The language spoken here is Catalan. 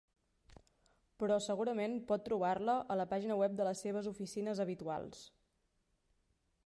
Però segurament pot trobar-la a la pàgina web de les seves oficines habituals.